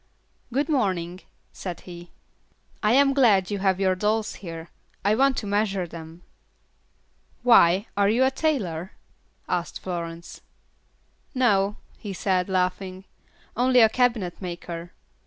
"Good morning," said he, "I am glad you have your dolls here; I want to measure them." "Why, are you a tailor?" asked Florence. "No," he said, laughing, "only a cabinetmaker.